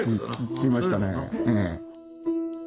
聞きましたね。